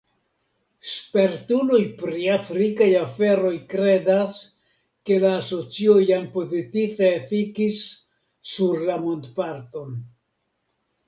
Spertuloj pri afrikaj aferoj kredas, ke la asocio jam pozitive efikis sur la mondparton.